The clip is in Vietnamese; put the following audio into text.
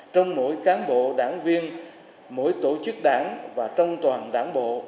trong mỗi cán bộ đảng viên mỗi tổ chức đảng và trong toàn đảng bộ